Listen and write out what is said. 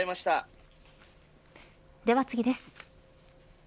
では次です。